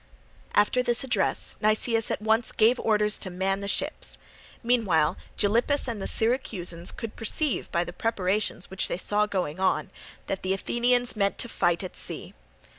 After this address Nicias at once gave orders to man the ships. Meanwhile Gylippus and the Syracusans could perceive by the preparations which they saw going on that the Athenians meant to fight at sea.